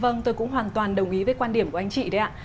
vâng tôi cũng hoàn toàn đồng ý với quan điểm của anh chị đấy ạ